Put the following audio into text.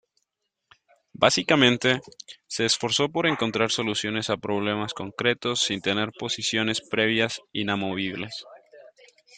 Básicamente, se esforzó por encontrar soluciones a problemas concretos sin tener posiciones previas inamovibles.